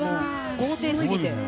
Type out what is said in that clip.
豪邸過ぎて。